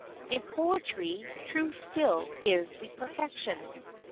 In poetry, truth still is the perfection.